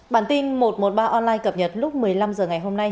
bản tin một trăm một mươi ba online cập nhật lúc một mươi năm h ngày hôm nay